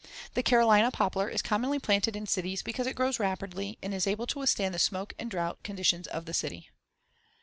The Carolina poplar is commonly planted in cities because it grows rapidly and is able to withstand the smoke and drouth conditions of the city.